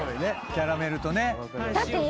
キャラメルとね。